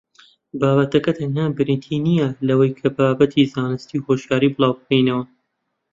بابەتەکە تەنها بریتی نییە لەوەی کە بابەتی زانستی و هۆشیاری بڵاوبکەینەوە